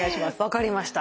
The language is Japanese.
分かりました。